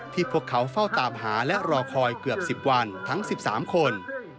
ที่พวกเขาเฝ้าตามหาและรอคอยเกือบสิบวันทั้งสิบสามคน